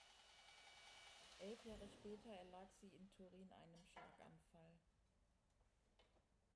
Elf Jahre später erlag sie in Turin einem Schlaganfall.